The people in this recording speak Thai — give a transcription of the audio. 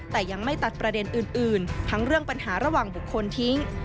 แต่ยังไม่ตัดประเด็นอื่นทั้งเรื่องปัญหาระหว่างบุคคลทิ้ง